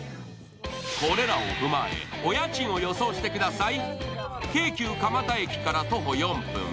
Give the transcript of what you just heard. これらを踏まえお家賃を予想してください。